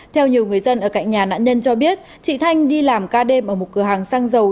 theo nhiều người dân ở cạnh nhà nạn nhân cho biết chị thanh đi làm ca đêm ở một cửa hàng xăng dầu